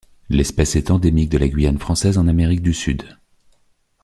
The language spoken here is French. L'espèce est endémique de la Guyane française en Amérique du Sud.